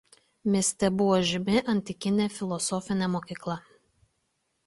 Mieste buvo žymi antikinė filosofinė mokykla.